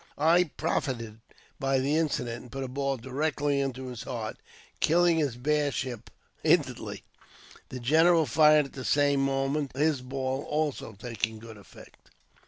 I profited by the incident, and put a ball directly into his heart, killing his bearship instantly. The general fired at the same moment, his ball also taking good effect.